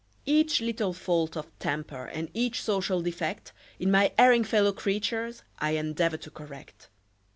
Each little fault of temper and each social defect In my erring fellow creatures, I endeavor to correct.